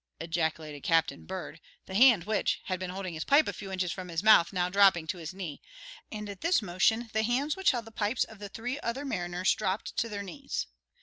ejaculated Captain Bird, the hand which, had been holding his pipe a few inches from his mouth now dropping to his knee; and at this motion the hands which held the pipes of the three other mariners dropped to their knees.